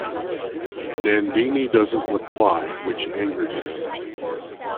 Nandini doesn't reply which angers him.